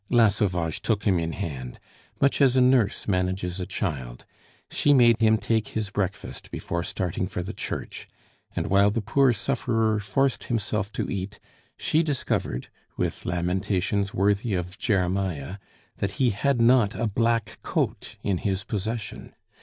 La Sauvage took him in hand, much as a nurse manages a child; she made him take his breakfast before starting for the church; and while the poor sufferer forced himself to eat, she discovered, with lamentations worthy of Jeremiah, that he had not a black coat in his possession.